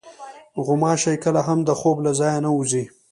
غوماشې کله هم د خوب له ځایه نه وځي.